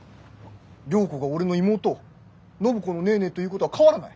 良子が俺の妹暢子のネーネーということは変わらない。